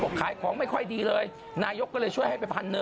บอกขายของไม่ค่อยดีเลยนายกก็เลยช่วยให้ไป๑๐๐๐บาท